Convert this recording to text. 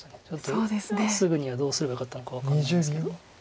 ちょっとすぐにはどうすればよかったのか分かんないですけど。